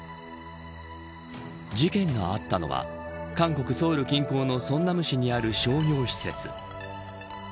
事件があったのは韓国・ソウル近郊の城南市にある商業施設。